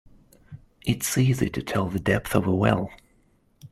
It's easy to tell the depth of a well.